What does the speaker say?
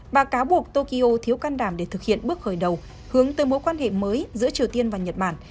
bà cáo buộc tokyo thiếu can đảm để thực hiện bước khởi đầu hướng tới mối quan hệ mới giữa triều tiên và nhật bản